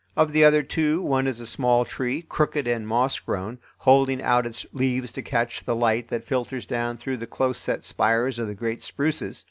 Of the other two one is a small tree, crooked and moss grown, holding out its leaves to catch the light that filters down through the close set spires of the great spruces.